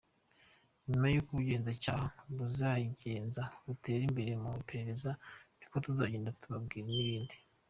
Nyuma uko ubugenzacyaha buzagenda butera imbere mu iperereza niko tuzagenda tubabwira n’ibindi.